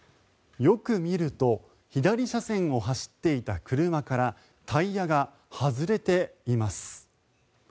よく見ると左車線を走っていた車からタイヤが外れています。